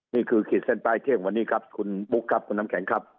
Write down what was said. ขีดเส้นใต้เที่ยงวันนี้ครับคุณบุ๊คครับคุณน้ำแข็งครับ